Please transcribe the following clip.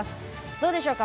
どうでしょうか？